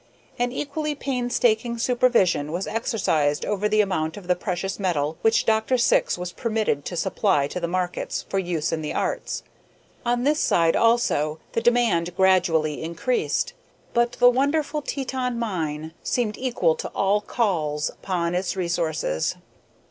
An equally painstaking supervision was exercised over the amount of the precious metal which Dr. Syx was permitted to supply to the markets for use in the arts. On this side, also, the demand gradually increased; but the wonderful Teton mine seemed equal to all calls upon its resources.